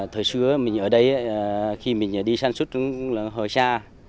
thời xưa mình ở đây khi mình đi sản xuất cũng hơi xa